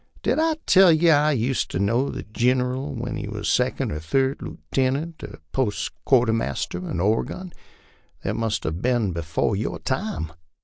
Did I tell yer I used to know the Gineral when he was second or third lootenant and post, quartermas ter in Oregon? That must 'a been afore your time."